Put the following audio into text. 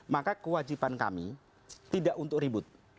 maka kewajiban kami tidak untuk ribut